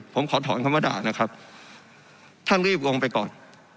ผมขอถอนคำว่าด่านะครับท่านรีบลงไปก่อน